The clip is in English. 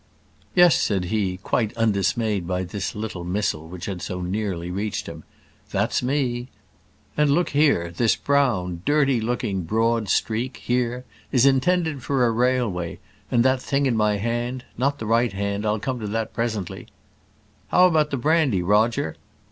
"Yes," said he, quite undismayed by this little missile which had so nearly reached him: "that's me. And look here; this brown, dirty looking broad streak here is intended for a railway; and that thing in my hand not the right hand; I'll come to that presently " "How about the brandy, Roger?"